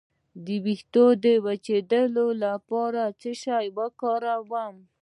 د ویښتو د وچ کیدو لپاره باید څه وکاروم؟